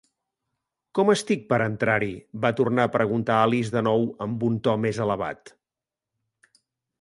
'Com estic per entrar-hi?' va tornar a preguntar Alice de nou, amb un to més elevat.